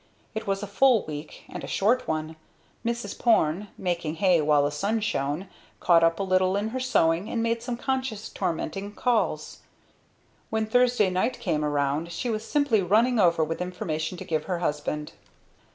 It was a full week, and a short one. Mrs. Porne, making hay while the sun shone, caught up a little in her sewing and made some conscience tormenting calls. When Thursday night came around she was simply running over with information to give her husband.